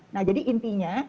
nah jadi intinya